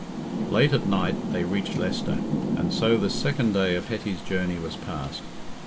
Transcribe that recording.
Late at night they reached Leicester, and so this second day of Hetty's journey was past.